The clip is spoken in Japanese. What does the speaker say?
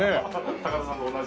高田さんと同じ。